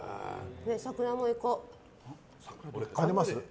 桜もいこう。